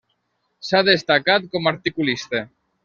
S'ha destacat com articulista.